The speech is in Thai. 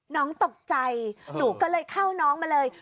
น้องตกใจหนูก็เลยเข้าน้องมาเลย